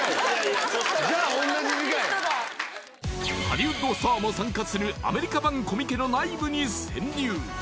ハリウッドスターも参加するアメリカ版コミケの内部に潜入